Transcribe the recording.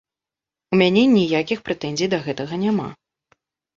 У мяне ніякіх прэтэнзій да гэтага няма.